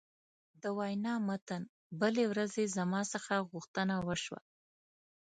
د وینا متن: بلې ورځې زما څخه غوښتنه وشوه.